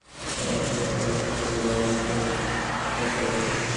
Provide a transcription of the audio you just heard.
আর তারা সাবেয়ীদেরই একটির অন্তর্ভুক্ত সম্প্রদায়।